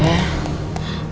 terima kasih pak